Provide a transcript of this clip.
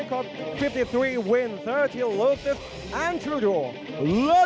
โปรแฟชั่นวินคอร์๕๓วิน๓๐โลฟิสและทรูโดอร์